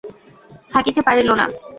থাকিতে পারিল না।